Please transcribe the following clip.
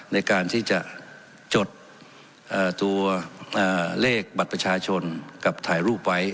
ในการที่จะจดตัวเลขบัตรประชาชนกับถ่ายรูปไว้